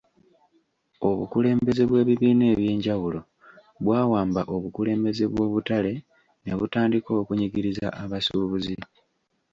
Obukulembeze bw'ebibiina ebyenjawulo bwawamba obukulembeze bw'obutale nebutandika okunyigiriza abasuubuzi